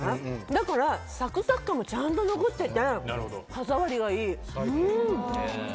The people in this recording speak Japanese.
だからサクサク感もちゃんと残ってて歯触りがいい。